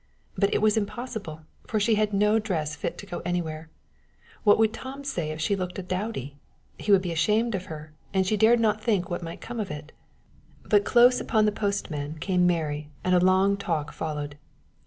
But it was impossible, for she had no dress fit to go anywhere! What would Tom say if she looked a dowdy? He would be ashamed of her, and she dared not think what might come of it! But close upon the postman came Mary, and a long talk followed.